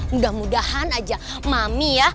mudah mudahan aja mami ya